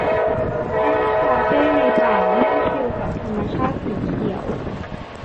เก้า คาเฟ่ในป่า นั่งชิลกับธรรมชาติสีเขียว